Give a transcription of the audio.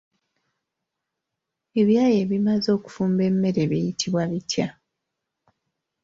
Ebyayi ebimaze okufumba emmere buyitibwa bitya?